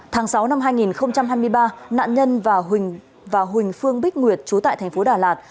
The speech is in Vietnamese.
tháng sáu năm hai nghìn hai mươi ba nạn nhân và huỳnh phương bích nguyệt trú tại thành phố đà lạt